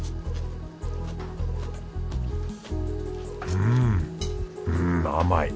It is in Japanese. うんうん甘い。